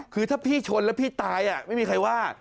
คือถ้าพี่ชนแล้วพี่ตายไม่มีใครว่า